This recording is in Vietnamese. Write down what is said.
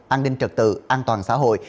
an ninh trật tự an toàn xã hội